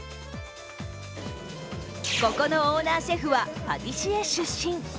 ここのオーナーシェフはパティシエ出身。